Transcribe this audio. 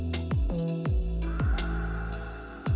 kepala penelitian bintang